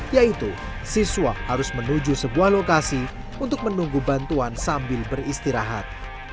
yaitu siswa harus menuju sebuah lokasi untuk menunggu bantuan sambil beristirahat